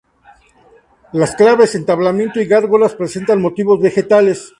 Las claves, entablamento y gárgolas presentan motivos vegetales.